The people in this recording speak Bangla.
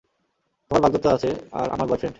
তোমার বাগদত্তা আছে আর আমার বয়ফ্রেন্ড।